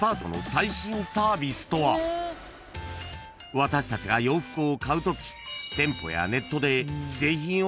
［私たちが洋服を買うとき］